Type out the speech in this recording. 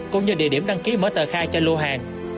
cũng như địa điểm đăng ký mở tờ khai cho lô hàng